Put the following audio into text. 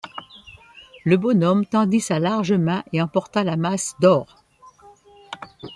Le bonhomme tendit sa large main et emporta la masse d’or.